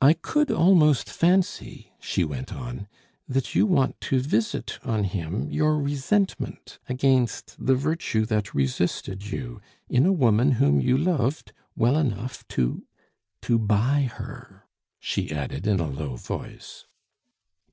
"I could almost fancy," she went on, "that you want to visit on him your resentment against the virtue that resisted you in a woman whom you loved well enough to to buy her," she added in a low voice.